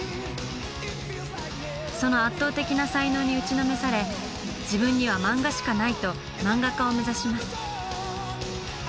その圧倒的な才能に打ちのめされ「自分には漫画しかない」と漫画家を目指します。